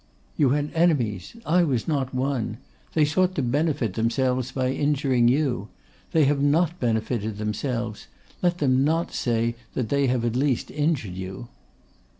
'You had enemies; I was not one. They sought to benefit themselves by injuring you. They have not benefited themselves; let them not say that they have at least injured you.